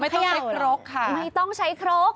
ต้องใช้ครกค่ะไม่ต้องใช้ครก